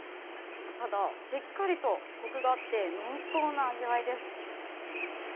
ただ、しっかりとこくがあって、濃厚な味わいです。